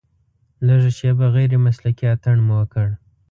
لږه شېبه غیر مسلکي اتڼ مو وکړ.